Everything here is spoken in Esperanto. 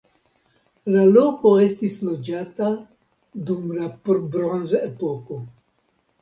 La loko estis loĝata dum la bronzepoko.